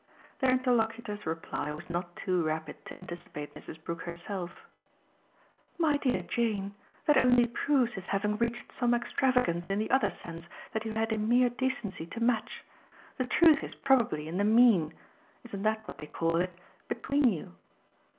Their interlocutor's reply was not too rapid to anticipate Mrs. Brook herself. "My dear Jane, that only proves his having reached some extravagance in the other sense that you had in mere decency to match. The truth is probably in the 'mean' isn't that what they call it? between you.